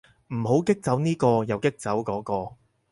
唔好激走呢個又激走嗰個